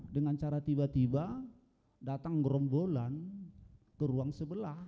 dengan cara tiba tiba datang gerombolan ke ruang sebelah